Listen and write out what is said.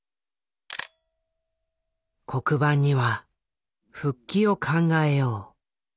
黒板には「復帰を考えよう」。